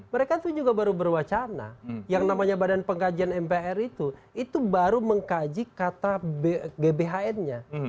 mereka itu juga baru berwacana yang namanya badan pengkajian mpr itu itu baru mengkaji kata gbhn nya